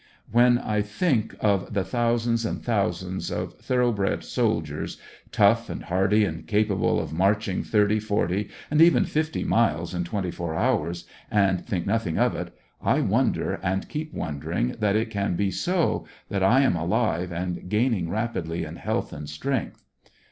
When I think of the thousands and thousands of thoroughbred soldiers, tough and hearty and capable of marching thirty, forty, and even fifty miles in twenty four hours and think nothing of it, I wonder and keep wondering that it can be so, that I am alive and gaining rapidly in health and strength.